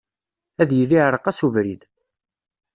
Ad yili iɛreq-as ubrid.